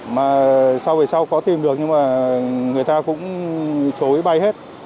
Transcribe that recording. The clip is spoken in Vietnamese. mà sau về sau có tìm được nhưng mà người ta cũng chối bay hết